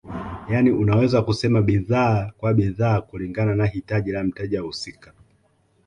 Yani unaweza kusema bidhaa kwa bidhaa kulingana na hitaji la mteja husika